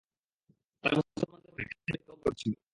তারা মুসলমানদের সম্পর্কে খালিদকে অবহিত করছিল।